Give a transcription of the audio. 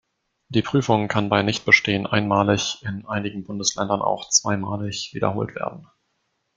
Die Prüfung kann bei Nichtbestehen einmalig, in einigen Bundesländern auch zweimalig, wiederholt werden.